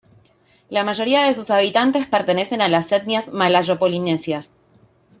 La mayoría de sus habitantes pertenecen a las etnias malayopolinesias.